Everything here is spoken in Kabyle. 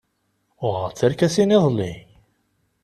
Uɣeɣ-d tarkasin iḍelli.